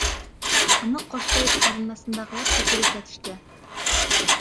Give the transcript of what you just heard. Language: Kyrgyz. Аны коштой айланасындагылар секирип жатышты.